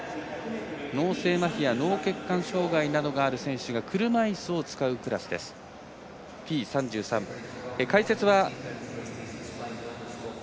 脳性まひや脳血管障がいなどがある選手が車いすを使うクラスです。